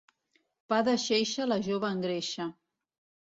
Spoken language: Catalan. Pa de xeixa la jove engreixa.